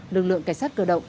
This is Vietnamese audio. lực lượng cảnh sát cơ động